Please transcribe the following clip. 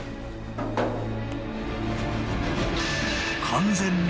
［完全に］